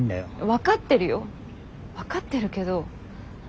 分かってるよ分かってるけど。